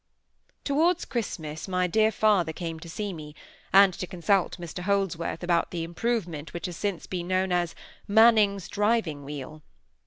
Towards Christmas my dear father came to see me, and to consult Mr Holdsworth about the improvement which has since been known as "Manning's driving wheel".